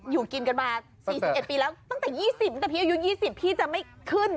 อยู่กินกันมา๔๑ปีแล้วตั้งแต่๒๐ตั้งแต่พี่อายุ๒๐พี่จะไม่ขึ้น